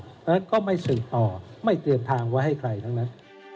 เพราะฉะนั้นก็ไม่สืบต่อไม่เตรียมทางไว้ให้ใครทั้งนั้น